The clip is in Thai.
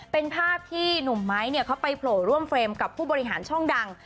เป็นภาพที่หนุ่มไม้เขาไปโผล่ร่วมเฟรมกับผู้บริหารช่องดัง